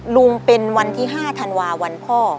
ลุงเป็นวันที่๕ธันวาวันพ่อ